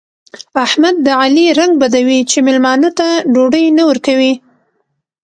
احمد د علي رنګ بدوي چې مېلمانه ته ډوډۍ نه ورکوي.